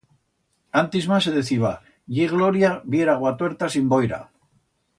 Antis mas se deciba: Ye gloria vier Aguatuerta sin boira.